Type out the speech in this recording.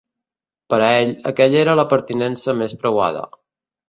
Per a ell, aquella era la pertinença més preuada.